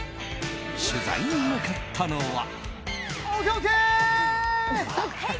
取材に向かったのは。